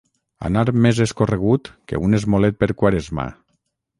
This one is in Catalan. Anar més escorregut que un esmolet per Quaresma.